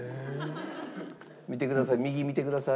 見てください。